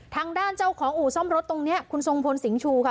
ทางด้านเจ้าของอู่ซ่อมรถตรงนี้คุณทรงพลสิงห์ชูค่ะ